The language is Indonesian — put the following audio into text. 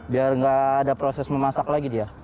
biar nggak ada proses memasak lagi dia